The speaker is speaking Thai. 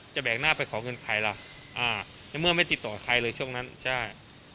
แบกหน้าไปขอเงินใครล่ะอ่าในเมื่อไม่ติดต่อใครเลยช่วงนั้นใช่